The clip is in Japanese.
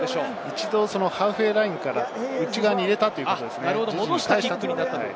一度、ハーフウェイラインから内側に入れたということですね。